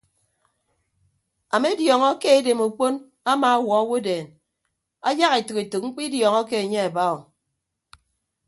Amediọñọ ke edem okpon ama awuọ owodeen ayak etәk etәk mkpịdiọñọke anye aba o.